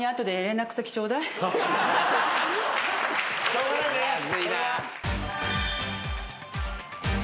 しょうがないねこれは。